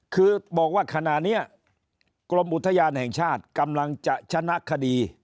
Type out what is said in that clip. คือบอกว่าขณะนี้กรมอุทยานแห่งชาติกำลังจะชนะคดี